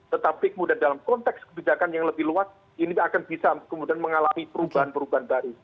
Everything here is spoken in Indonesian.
tetapi kemudian dalam konteks kebijakan yang lebih luas ini akan bisa kemudian mengalami perubahan perubahan baru